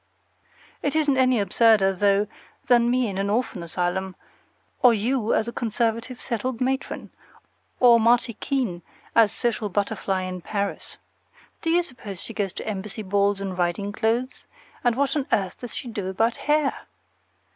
It isn't any absurder, though, than me in an orphan asylum, or you as a conservative settled matron, or Marty Keene a social butterfly in Paris. Do you suppose she goes to embassy balls in riding clothes, and what on earth does she do about hair?